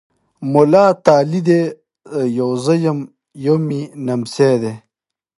مولا تالی دی! يو زه یم، یو مې نمسی دی۔